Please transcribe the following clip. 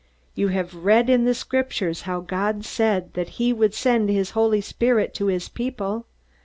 You have read in the Scriptures how God said that he would send his Holy Spirit to his people.